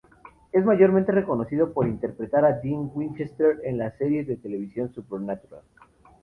Es mayormente reconocido por interpretar a Dean Winchester en la serie de televisión "Supernatural".